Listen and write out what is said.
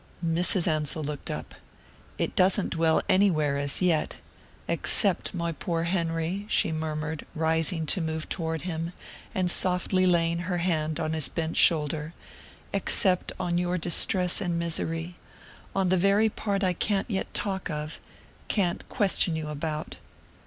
Mrs. Ansell looked up. "It doesn't dwell anywhere as yet except, my poor Henry," she murmured, rising to move toward him, and softly laying her hand on his bent shoulder "except on your distress and misery on the very part I can't yet talk of, can't question you about...."